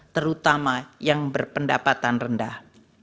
terutama yang berpendapatan rendah